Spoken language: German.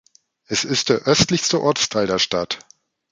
Es ist der östlichste Ortsteil der Stadt.